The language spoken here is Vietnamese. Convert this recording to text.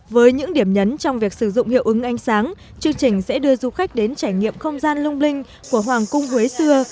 với những điểm nhấn trong việc sử dụng hiệu ứng ánh sáng chương trình sẽ đưa du khách đến trải nghiệm không gian lung linh của hoàng cung huế xưa